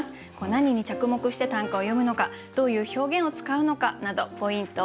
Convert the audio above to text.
何に着目して短歌を詠むのかどういう表現を使うのかなどポイント